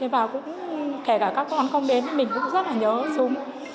và cũng kể cả các con không đến thì mình cũng rất là nhớ chúng